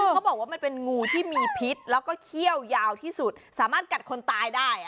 เขาบอกว่ามันเป็นงูที่มีพิษแล้วก็เขี้ยวยาวที่สุดสามารถกัดคนตายได้